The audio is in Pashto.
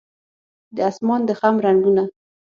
د اسمان د خم رنګونه